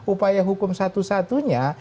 upaya hukum satu satunya